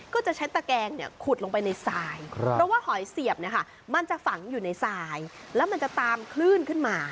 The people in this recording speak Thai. ก็จะใช้ตะแกงขุดลงไปในทรายเพราะว่าหอยเสียบมันจะฝังอยู่ในทรายแล้วมันจะตามคลื่นขึ้นมา